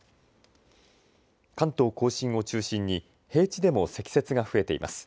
関東甲信を中心に平地でも積雪が増えています。